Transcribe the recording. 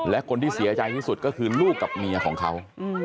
และคนที่เสียใจที่สุดก็คือลูกกับเมียของเขา